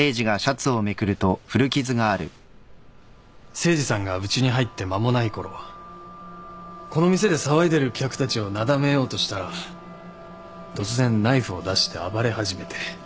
誠司さんがうちに入って間もないころこの店で騒いでる客たちをなだめようとしたら突然ナイフを出して暴れ始めて。